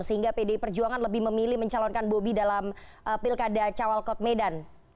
sehingga pdi perjuangan lebih memilih mencalonkan bobi dalam pilkada cawal kod medan